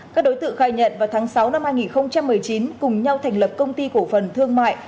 các đối tượng khai nhận vào tháng sáu năm hai nghìn một mươi chín cùng nhau thành lập công ty cổ phần thương mại